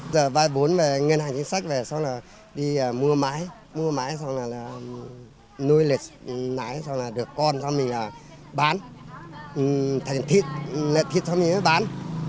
giờ vai bốn về ngân hàng chính sách về xong là đi mua máy mua máy xong là nuôi lệch nái xong là được con xong mình là bán thay thịt lệch thịt xong mình mới bán